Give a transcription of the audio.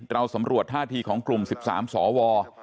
สำรวจท่าทีของกลุ่ม๑๓สว